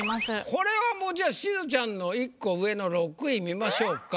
これはもうじゃあしずちゃんの１個上の６位見ましょうか。